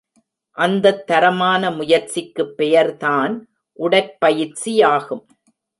அந்தத் தரமான முயற்சிக்குப் பெயர் தான் உடற்பயிற்சியாகும்.